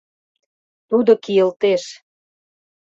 Тудо кийылтеш.